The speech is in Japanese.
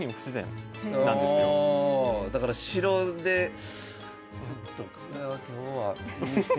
だから城でちょっとこれはみたいな。